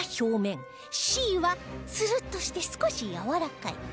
Ｃ はツルッとして少しやわらかい